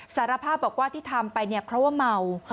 สารภาพบอกว่าที่ทำไปเนี่ยเพราะว่าเมา